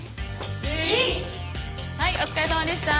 はいお疲れさまでした！